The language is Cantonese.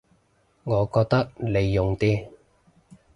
我覺得你勇啲